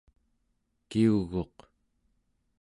kiuguq